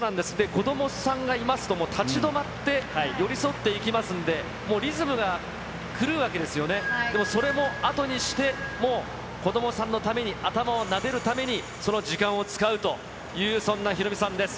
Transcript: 子どもさんがいますと、もう立ち止まって、寄り添っていきますんで、もうリズムが狂うわけですよね、でもそれもあとにしてもう、子どもさんのために、頭をなでるために、その時間を使うという、そんなヒロミさんです。